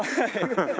ハハハッ。